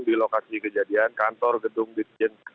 di lokasi kejadian kantor gedung ditjen